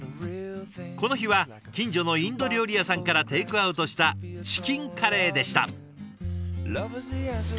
この日は近所のインド料理屋さんからテイクアウトしたチキンカレーでした。